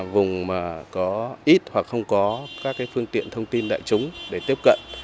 vùng mà có ít hoặc không có các phương tiện thông tin đại chúng để tiếp cận